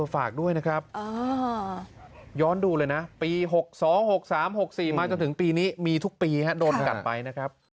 ฝากด้วยนะครับย้อนดูเลยนะปี๖๒๖๓๖๔มาจนถึงปีนี้มีทุกปีโดนกัดไปนะครับ